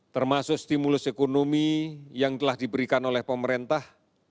termasuk stimulus ekonomi yang telah diberikan oleh pemerintah